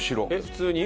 普通に？